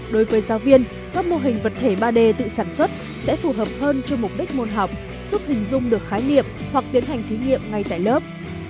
đối với giáo viên các mô hình vật thể ba d tự sản xuất sẽ phù hợp hơn cho mục đích môn học giúp hình dung được khái niệm hoặc tiến hành thí nghiệm ngay tại lớp